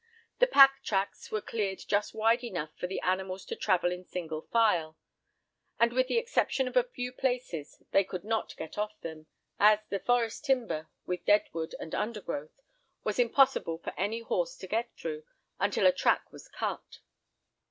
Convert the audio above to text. The pack tracks were cleared just wide enough for the animals to travel in single file—and with the exception of a few places they could not get off them, as the forest timber, with dead wood and undergrowth, was impossible for any horse to get through, until a track was cut.